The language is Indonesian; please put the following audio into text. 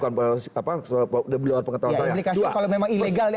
kalau memang ilegal ya